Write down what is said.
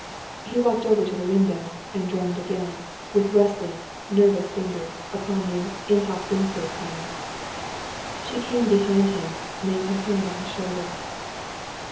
He walked over to the window, and drummed again, with restless, nervous fingers, upon the In hoc vince pane. She came behind him, laying her hand on his shoulder.